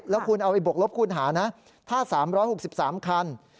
แล้วคุณเอาไปบวกลบคูณหานะถ้า๓๖๓คัน